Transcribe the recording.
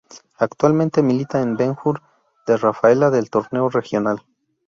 Actualmente milita en Ben Hur de Rafaela del Torneo Regional.